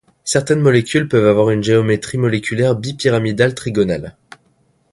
Certaines molécules peuvent avoir une géométrie moléculaire bipyramidale trigonale.